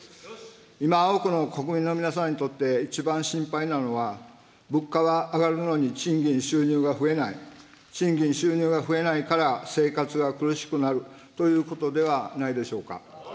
今、多くの国民の皆さんにとって一番心配なのは、物価が上がるのに賃金、収入が増えない、賃金、収入が増えないから生活が苦しくなるということではないでしょうか。